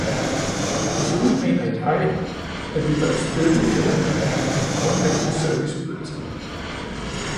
Desuden mener jeg, at vi bør støtte genopbygningen af de grundlæggende serviceydelser.